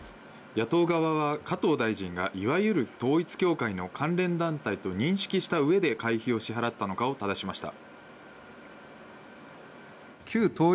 野党側は加藤大臣がいわゆる統一教会の関連団体と認識した上で会費を支払ったのかを質しました。